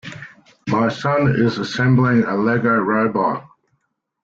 My son is assembling a Lego robot.